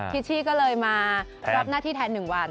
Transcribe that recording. ชชี่ก็เลยมารับหน้าที่แทน๑วัน